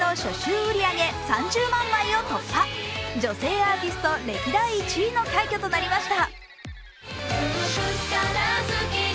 女性アーティスト歴代１位の快挙となりました。